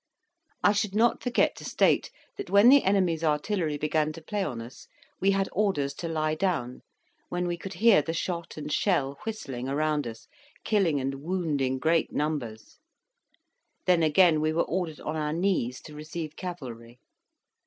I should not forget to state that when the enemy's artillery began to play on us, we had orders to lie down, when we could hear the shot and shell whistling around us, killing and wounding great numbers; then again we were ordered on our knees to receive cavalry.